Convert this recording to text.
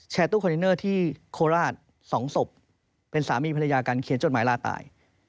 ตู้คอนเทนเนอร์ที่โคราช๒ศพเป็นสามีภรรยากันเขียนจดหมายลาตาย